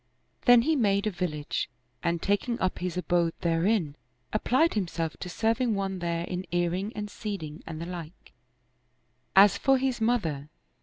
Then he made a village and taking up his abode therein, ap plied himself to serving one there in earing and seeding and 73 Oriental Mystery Stories the like. As for his mother.